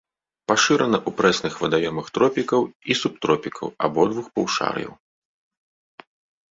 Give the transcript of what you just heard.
Пашырана ў прэсных вадаёмах тропікаў і субтропікаў абодвух паўшар'яў.